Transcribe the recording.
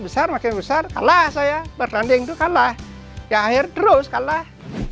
besar makin besar kalah saya bertanding itu kalah ya akhir terus kalah